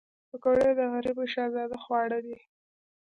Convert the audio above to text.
پکورې د غریبو شهزاده خواړه دي